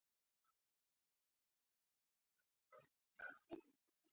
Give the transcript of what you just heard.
یا خدایه کومک یې ورته ولیکل.